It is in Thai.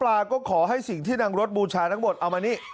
แล้วก็ขอให้สิ่งที่น้องรถบูชานักหมดเอามานี่